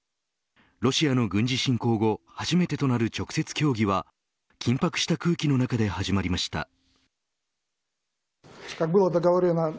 ロシアの軍事侵攻後初めてとなる直接協議は緊迫した空気の中で始まりました。